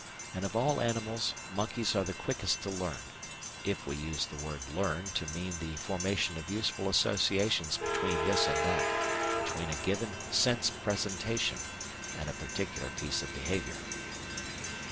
And of all animals monkeys are the quickest to learn, if we use the word "learn" to mean the formation of useful associations between this and that, between a given sense presentation and a particular piece of behaviour.